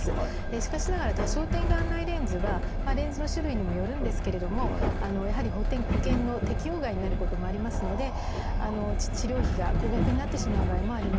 しかしながら多焦点眼内レンズはレンズの種類にもよるんですけれどもやはり保険の適用外になることもありますので治療費が高額になってしまう場合もあります。